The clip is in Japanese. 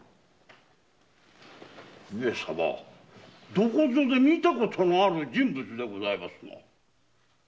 どこぞで見たことのある人物でございますな。